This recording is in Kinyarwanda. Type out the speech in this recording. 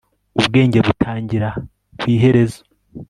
ubwenge butangira ku iherezo